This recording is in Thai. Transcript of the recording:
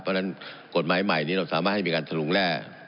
เพราะฉะนั้นกฎหมายใหม่นี้เราสามารถให้มีการสรุงแร่